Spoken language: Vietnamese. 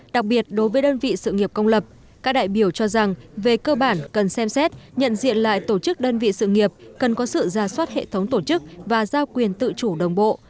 đặc biệt đối với đơn vị sự nghiệp công lập các đại biểu cho rằng về cơ bản cần xem xét nhận diện lại tổ chức đơn vị sự nghiệp cần có sự ra soát hệ thống tổ chức và giao quyền tự chủ đồng bộ